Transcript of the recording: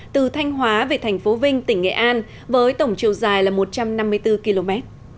từ thanh hóa về thành phố vinh tỉnh nghệ an với tổng chiều dài là một trăm năm mươi bốn km